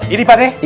ini pak d